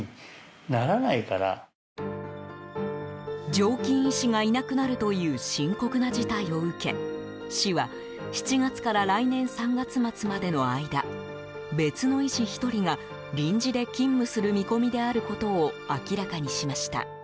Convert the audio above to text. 常勤医師がいなくなるという深刻な事態を受け市は７月から来年３月末までの間別の医師１人が、臨時で勤務する見込みであることを明らかにしました。